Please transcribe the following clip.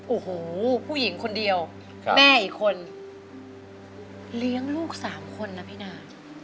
โอ้โหผู้หญิงคนเดียวแม่อีกคนเลี้ยงลูก๓คนนะพี่นา